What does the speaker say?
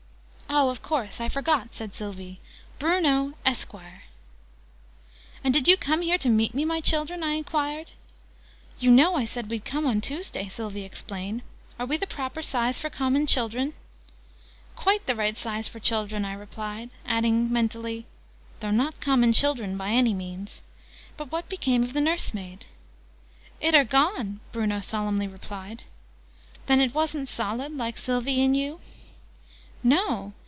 "Oh, of course. I forgot," said Sylvie. "Bruno Esquire!" "And did you come here to meet me, my children?" I enquired. "You know I said we'd come on Tuesday," Sylvie explained. "Are we the proper size for common children?" "Quite the right size for children," I replied, (adding mentally "though not common children, by any means!") "But what became of the nursemaid?" "It are gone!" Bruno solemnly replied. "Then it wasn't solid, like Sylvie and you?" "No.